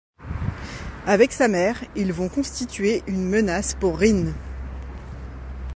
Avec sa mère, ils vont constituer une menace pour Rynn.